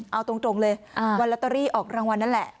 เอาตรงเลยวันลอตเตอรี่ออกรางวัลนั่นแหละ